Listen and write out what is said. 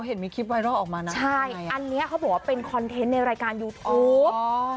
เห็นมีคลิปไวรัลออกมานะใช่อันนี้เขาบอกว่าเป็นคอนเทนต์ในรายการยูทูป